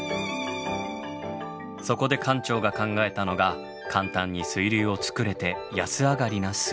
そこで館長が考えたのが簡単に水流を作れて安上がりな水槽。